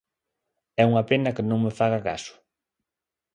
É unha pena que non me faga caso.